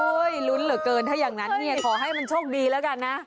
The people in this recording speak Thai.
ลุ้นเหลือเกินถ้าอย่างนั้นเนี่ยขอให้มันโชคดีแล้วกันนะ